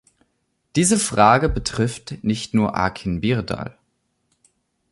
Diese Frage betrifft nicht nur Akin Birdal.